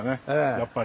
やっぱり。